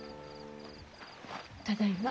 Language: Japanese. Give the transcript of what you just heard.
ただいま。